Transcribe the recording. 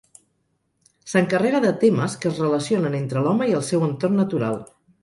S'encarrega de temes que es relacionen entre l'home i el seu entorn natural.